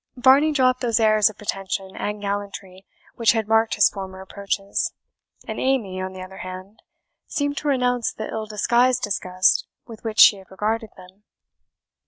Varney dropped those airs of pretension and gallantry which had marked his former approaches; and Amy, on the other hand, seemed to renounce the ill disguised disgust with which she had regarded them.